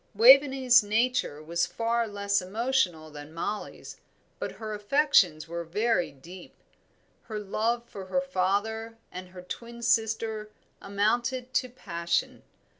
Waveney's nature was far less emotional than Mollie's, but her affections were very deep. Her love for her father and twin sister amounted to passion.